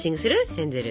ヘンゼル。